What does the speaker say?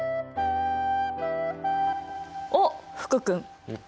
おっ福君！